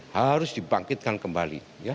harus dibangkitkan kembali